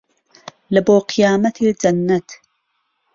لە بۆ قیامەتێ جەننەت